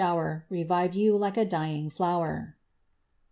were ! Revived you like a dying flower.'